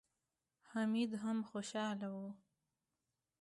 حميد هم خوشاله و.